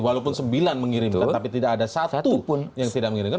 walaupun sembilan mengirimkan tapi tidak ada satupun yang tidak mengirimkan